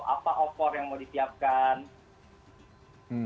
apa offer yang mau dipiapkan